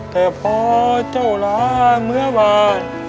แต่พ่อเจ้าร้านเมื้อบาท